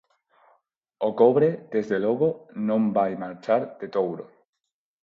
O cobre, desde logo, non vai marchar de Touro.